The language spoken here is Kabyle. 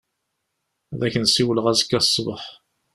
Ad ak-n-siwleɣ azekka ṣṣbeḥ.